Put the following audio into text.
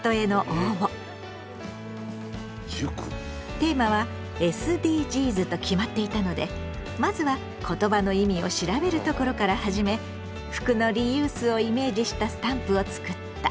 テーマはＳＤＧｓと決まっていたのでまずは言葉の意味を調べるところから始め服のリユースをイメージしたスタンプをつくった。